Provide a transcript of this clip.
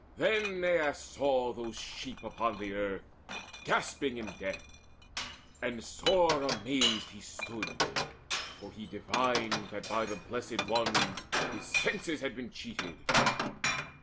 Then Aias saw those sheep upon the earth Gasping in death; and sore amazed he stood, For he divined that by the Blessed Ones His senses had been cheated.